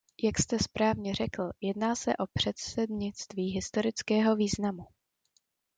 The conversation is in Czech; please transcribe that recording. Jak jste správně řekl, jedná se o předsednictví historického významu.